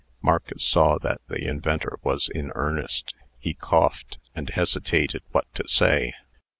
Marcus saw that the inventor was in earnest. He coughed, and hesitated what to say.